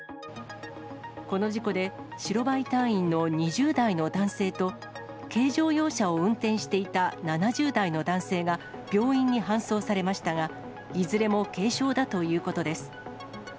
この事故で、白バイ隊員の２０代の男性と、軽乗用車を運転していた７０代の男性が病院に搬送されましたが、いずれも軽傷だということです。